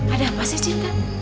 ada apa sih cinta